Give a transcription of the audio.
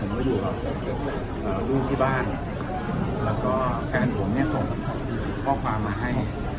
มาอยู่กับลูกที่บ้านแล้วก็แฟนผมเนี่ยส่งข้อความมาให้